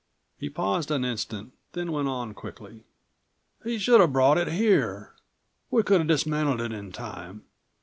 He paused an instant, then went on quickly. "He should have brought it here. We could have dismantled it in time.